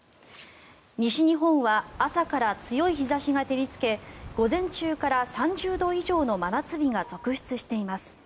西日本は朝から強い日差しが照りつけ午前中から３０度以上の真夏日が続出しています。